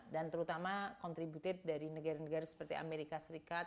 dan terutama kontribusi dari negara negara seperti amerika serikat